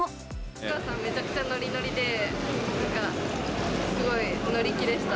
お母さんがめちゃくちゃのりのりで、すごい乗り気でした。